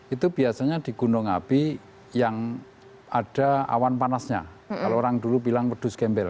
itu biasanya di gunung api yang ada awan panasnya kalau orang dulu bilang pedus gembel